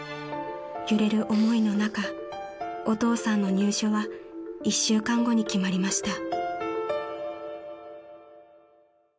［揺れる思いの中お父さんの入所は１週間後に決まりました］